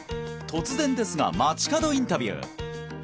突然ですが街角インタビュー！